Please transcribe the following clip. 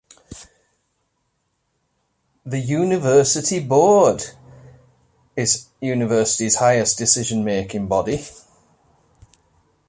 The "University Board" is the University's highest decision-making body.